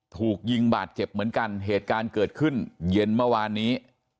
ถูกยิงบาดเจ็บเหมือนกันเหตุการณ์เกิดขึ้นเย็นเมื่อวานนี้